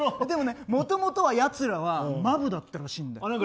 でも、もともとはやつらはマブだったらしいよ？